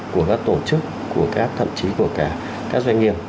của các tổ chức thậm chí của các doanh nghiệp